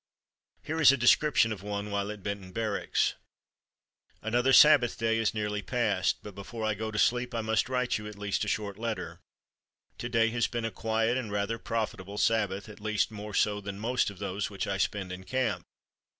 Here is a description of one while at Benton Barracks: "Another Sabbath day has nearly passed, but before I go to sleep I must write you at least a short letter. To day has been a quiet and rather profitable Sabbath, at least more so than most of those which I spend in camp.